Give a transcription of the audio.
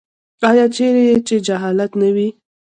آیا چیرې چې جهالت نه وي؟